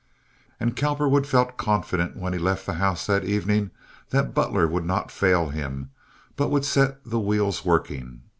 And Cowperwood felt confident when he left the house that evening that Butler would not fail him but would set the wheels working.